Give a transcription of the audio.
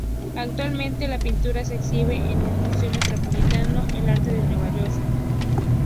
Actualmente, la pintura se exhibe en el Museo Metropolitano de Arte de Nueva York.